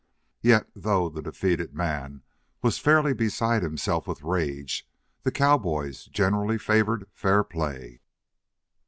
Yet, though the defeated man was fairly beside himself with rage, the cowboys generally favored fair play.